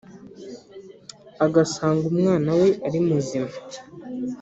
agasanga umwana we ari muzima